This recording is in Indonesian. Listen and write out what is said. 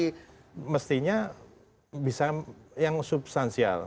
tapi mestinya bisa yang substansial